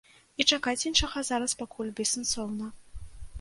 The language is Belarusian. І чакаць іншага зараз пакуль бессэнсоўна.